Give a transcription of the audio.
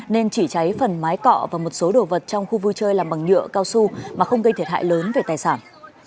nên chỉ cháy phần mái cọ và một số đồ vật trong khu vui chơi làm bằng nhựa cao su mà không gây thiệt hại lớn về tài sản